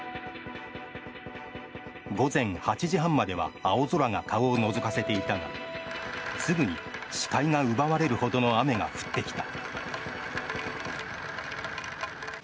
午前８時半までは青空が顔をのぞかせていたがすぐに視界が奪われるほどの雨が降ってきた。